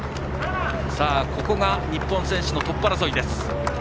ここが日本選手のトップ争いです。